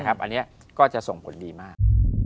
อันนี้ก็จะส่งผลดีมาก